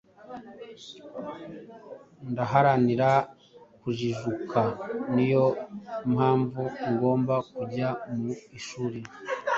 Ndaharanira kujijuka ni yo mpamvu ngomba kujya mu ishuri.